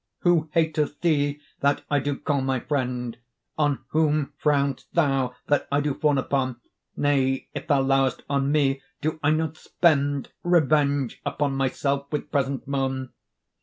Who hateth thee that I do call my friend, On whom frown'st thou that I do fawn upon, Nay, if thou lour'st on me, do I not spend Revenge upon myself with present moan?